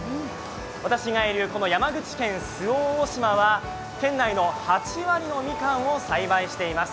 私がいる山口県周防大島は県内の８割のみかんを栽培しています。